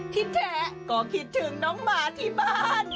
ที่แท้ก็คิดถึงน้องหมาที่บ้าน